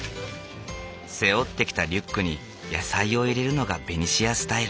背負ってきたリュックに野菜を入れるのがベニシアスタイル。